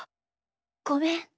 ごめん。